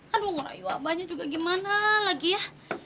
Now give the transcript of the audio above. aduh mengurangi wabahnya juga gimana lagi ya